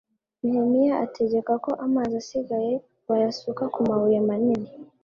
nehemiya ategeka ko amazi asigaye bayasuka ku mabuye manini